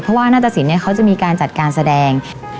เพราะว่าหน้าตะสินเนี่ยเขาจะมีการจัดการแสดง